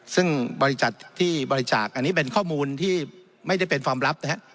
ซึ่งบริจาคอันนี้เป็นข้อมูลที่ไม่ได้เป็นฟังลับนะครับ